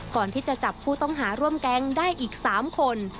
ก่อนที่จะจับผู้ต้องหาร่วมแก๊งได้อีก๓คน